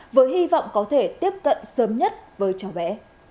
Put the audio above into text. với hy vọng có thể tiếp cận sớm nhất với cháu bé